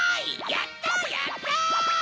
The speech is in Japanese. やったやった！